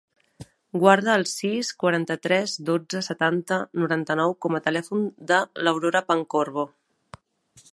Guarda el sis, quaranta-tres, dotze, setanta, noranta-nou com a telèfon de l'Aurora Pancorbo.